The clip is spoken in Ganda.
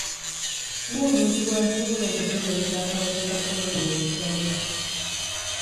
Wa omuntu w'asobola okwekebereza akawuka ka kolona mu Uganda?